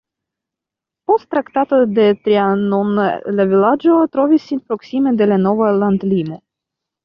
Post Traktato de Trianon la vilaĝo trovis sin proksime de la nova landlimo.